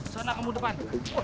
sana kamu depan